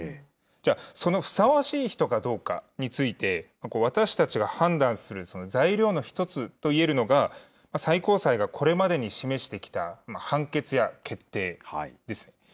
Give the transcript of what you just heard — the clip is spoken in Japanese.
じゃあ、そのふさわしい人かどうかについて、私たちが判断する材料の一つといえるのが、最高裁がこれまでに示してきた判決や決定です。